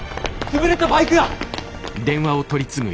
潰れたバイク屋！